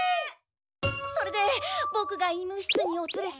それでボクが医務室にお連れして。